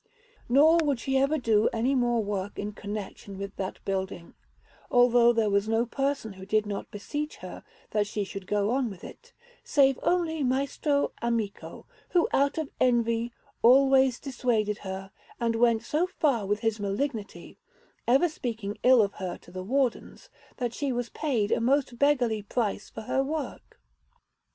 Nor would she ever do any more work in connection with that building, although there was no person who did not beseech her that she should go on with it, save only Maestro Amico, who out of envy always dissuaded her and went so far with his malignity, ever speaking ill of her to the Wardens, that she was paid a most beggarly price for her work.